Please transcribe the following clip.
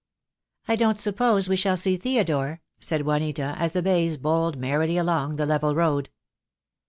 "I don't suppose we shall see Theodore," said Juanita, as the bays bowled merrily along the level road.